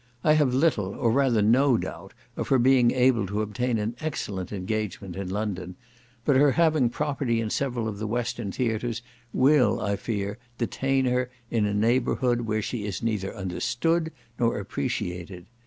I have little, or rather no doubt, of her being able to obtain an excellent engagement in London, but her having property in several of the Western theatres will, I fear, detain her in a neighbourhood, where she is neither understood nor appreciated.